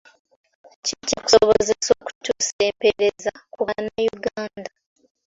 Kijja kusobozesa okutuusa empeereza ku bannayuganda.